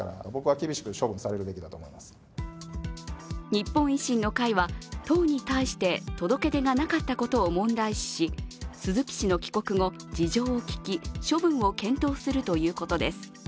日本維新の会は党に対して届け出がなかったことを問題視し鈴木氏の帰国後、事情を聞き処分を検討するということです。